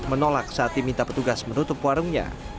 menolak saat diminta petugas menutup warungnya